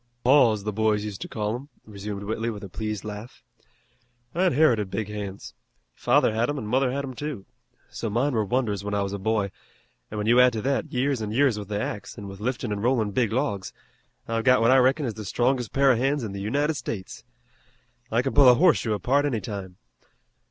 "Paws, the boys used to call 'em," resumed Whitley with a pleased laugh. "I inherited big hands. Father had em an' mother had 'em, too. So mine were wonders when I was a boy, an' when you add to that years an' years with the axe, an' with liftin' an' rollin' big logs I've got what I reckon is the strongest pair of hands in the United States. I can pull a horseshoe apart any time.